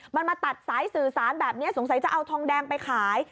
มันมาตัดสายสื่อสารแบบนี้สงสัยจะเอาทองแดงไปขาย